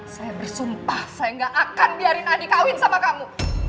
saya bersumpah saya gak akan biarin adik kawin sama kamu